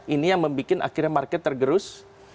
ini yang membuat akhirnya market tergerus